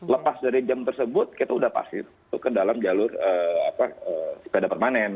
lepas dari jam tersebut kita sudah pasti ke dalam jalur sepeda permanen